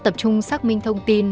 tập trung xác minh thông tin